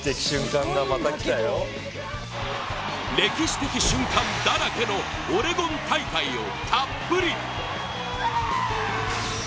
歴史的瞬間だらけのオレゴン大会をたっぷり。